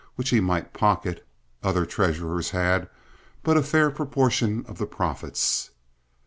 which he might pocket (other treasurers had), but a fair proportion of the profits.